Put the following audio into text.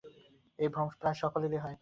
এই ভ্রম প্রায় সকলেরই হয়।